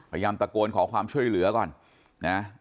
พยายามตะโกนขอความช่วยเหลือก่อนนะ